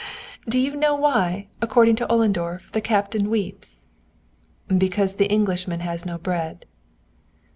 "Ha! ha! ha! Do you know why, according to Ollendorf, the Captain weeps?" "Because the Englishman has no bread."